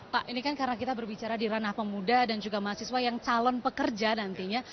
pak ini kan karena kita berbicara di ranah pemuda dan juga mahasiswa yang calon pekerja nantinya